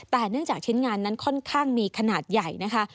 แต่เนื่องจากชิ้นงานนั้นค่อนข้างมีขนาดใหญ่นะคะ